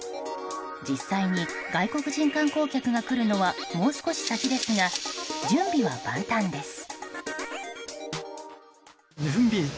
実際に外国人観光客が来るのはもう少し先ですが準備は万端です。